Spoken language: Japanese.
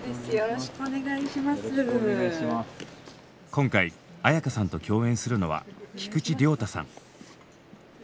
今回絢香さんと共演するのは菊池亮太さん。